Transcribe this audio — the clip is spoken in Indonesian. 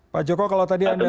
pak joko kalau tadi anda